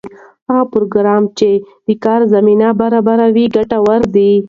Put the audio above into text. هغه پروګرام چې د کار زمینه برابروي ګټور دی.